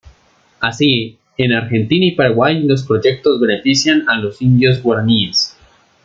Así, en Argentina y Paraguay los proyectos benefician a los indios guaraníes.